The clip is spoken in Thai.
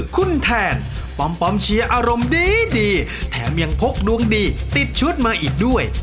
คุณแทนปอมเชียร์อารมณ์ดีแถมยังพกดวงดีติดชุดมาอีกด้วย